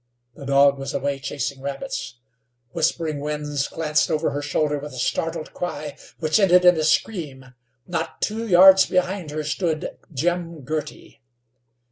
The dog was away chasing rabbits. Whispering Winds glanced over her shoulder with a startled cry, which ended in a scream. Not two yards behind her stood Jim Girty.